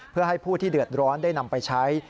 เพื่อให้ผู้ที่เดือดร้อนได้นำไปใช้